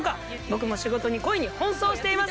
僕も仕事に恋に奔走しています。